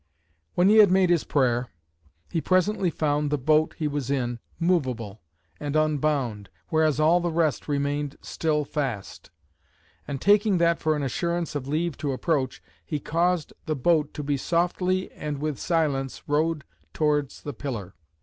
"When he had made his prayer, he presently found the boat he was in, moveable and unbound; whereas all the rest remained still fast; and taking that for an assurance of leave to approach, he caused the boat to be softly and with silence rowed towards the pillar.